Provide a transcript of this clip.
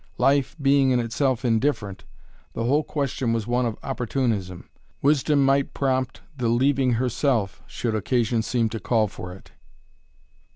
Life, being in itself indifferent, the whole question was one of opportunism. Wisdom might prompt the leaving herself should occasion seem to call for it.